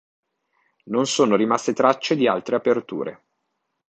Non sono rimaste tracce di altre aperture.